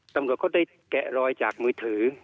ตำรวจก็ได้แกะรอยจากมือถือ